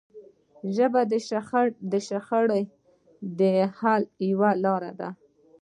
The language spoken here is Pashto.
ژبه د شخړو د حل یوه لاره ده